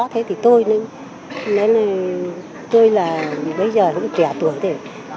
thế thì tôi tôi là bây giờ cũng trẻ tuổi